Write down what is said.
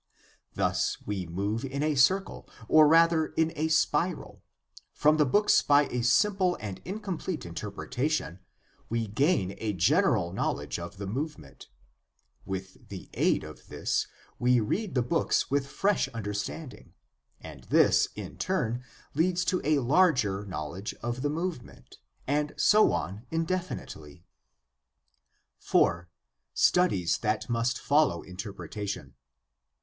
Thus we move in a circle, or rather in a spiral: from the books by a simple and incomplete interpretation we gain a general knowledge of the movement; with the aid of this we read the books with fresh understanding, and this in turn leads to a larger knowledge of the movement, and so on indefinitely. 4. Studies that must follow interpretation.